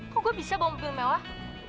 kok gue bisa bawa mobil mewah